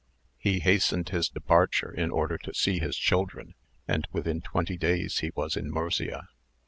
He hastened his departure in order to see his children, and within twenty days he was in Murcia.